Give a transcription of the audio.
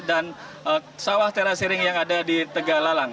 dan sawah terasiring yang ada di tegalalang